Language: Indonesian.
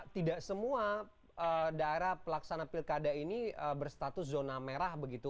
tidak semua daerah pelaksana pilkada ini berstatus zona merah begitu